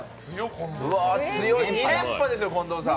２連覇ですよ、近藤さん。